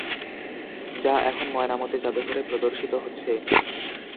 যা এখন ময়নামতি জাদুঘরে প্রদর্শিত হচ্ছে।